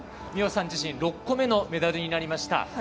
美帆さん自身６個目のメダルになりました。